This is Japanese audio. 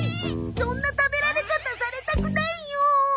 そんな食べられ方されたくないよー。